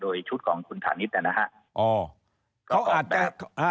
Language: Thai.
โดยชุดของคุณฐานิดน่ะนะฮะ